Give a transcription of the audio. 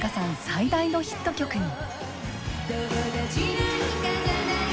最大のヒット曲に。